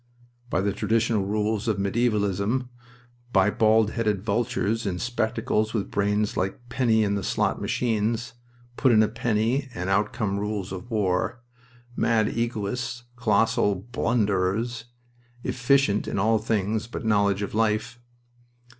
"By the traditional rules of medievalism. By bald headed vultures in spectacles with brains like penny in the slot machines. Put in a penny and out comes a rule of war. Mad egoists! Colossal blunderers! Efficient in all things but knowledge of life."